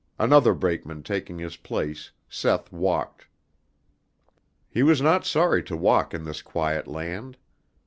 Another brakeman taking his place, Seth walked. He was not sorry to walk in this quiet land.